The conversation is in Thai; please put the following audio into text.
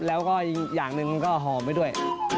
แล้วก็อีกอย่างหนึ่งมันก็หอมไปด้วย